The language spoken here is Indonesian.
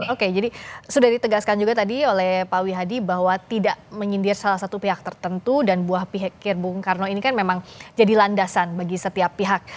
oke jadi sudah ditegaskan juga tadi oleh pak wihadi bahwa tidak menyindir salah satu pihak tertentu dan buah pihak bung karno ini kan memang jadi landasan bagi setiap pihak